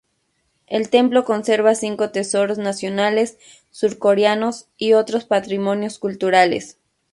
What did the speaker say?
El templo conserva cinco tesoros nacionales surcoreanos y otros patrimonios culturales.